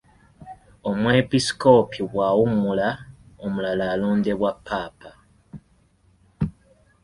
Omwepiskoopi bw'awummula, omulala alondebwa Ppaapa.